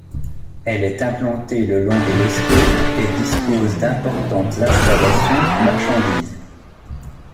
Elle est implantée le long de l'Escaut et dispose d'importantes installations marchandises.